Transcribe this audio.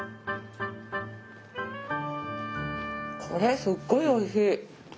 これすっごいおいしい。